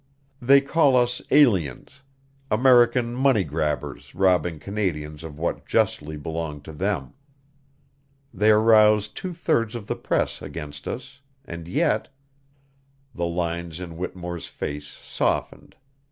They called us 'aliens' American 'money grabbers' robbing Canadians of what justly belonged to them. They aroused two thirds of the press against us, and yet " The lines in Whittemore's face softened.